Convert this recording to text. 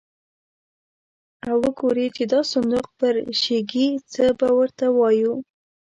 او وګوري چې دا صندوق پرشېږي، څه به ور ته وایو.